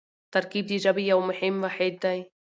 ترکیب د ژبې یو مهم واحد دئ.